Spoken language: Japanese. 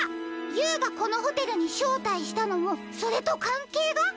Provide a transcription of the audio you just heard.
Ｕがこのホテルにしょうたいしたのもそれとかんけいが？